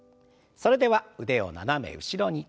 それでは腕を斜め後ろに。